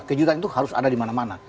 kejutan itu harus ada di mana mana